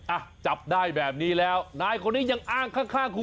อ่ะจับได้แบบนี้แล้วนายคนนี้ยังอ้างข้างครู